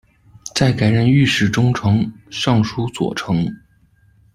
再改任御史中丞、尚书左丞。